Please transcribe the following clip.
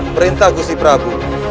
perintah gusti prabu